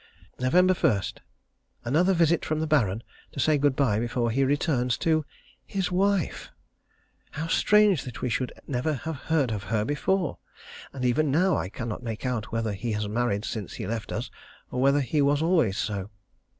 Nov. 1. Another visit from the Baron, to say good bye before his return to his wife! How strange that we should never have heard of her before, and even now I cannot make out whether he has married since he left us or whether he was always so.